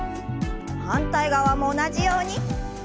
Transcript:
反対側も同じように。